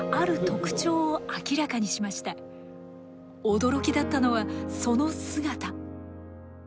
驚きだったのはその姿。